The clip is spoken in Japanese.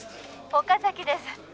「岡崎です。